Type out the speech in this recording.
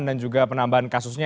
dan juga penambahan kasusnya